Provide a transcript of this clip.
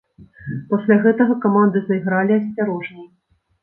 Пасля гэтага каманды зайгралі асцярожней.